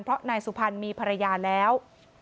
เพราะนายสุพรรณมีภรรยาแล้ว